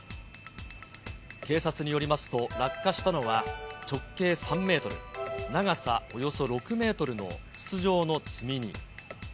警察によりますと、落下したのは直径３メートル、長さおよそ６メートルの筒状の積み荷。